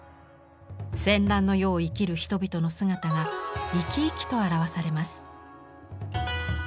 戦乱の世を生きる人々の姿が生き生きと表されます。